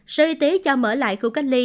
sở y tế cho mở lại khu cách ly